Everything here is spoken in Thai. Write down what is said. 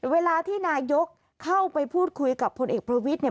เวลาที่นายกเข้าไปพูดคุยกับพลเอกประวิทย์เนี่ย